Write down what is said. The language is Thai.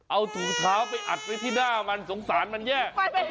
เอาถุงเท้าไปอัดไว้ที่หน้ามันสงสารมันแย่